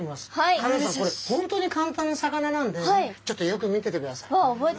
香音さんこれ本当に簡単な魚なんでちょっとよく見ててください。